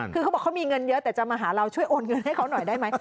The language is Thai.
คือเขาบอกเขามีเงินเยอะแต่จะมาหาเราช่วยโอนเงินให้เขาหน่อยได้ไหม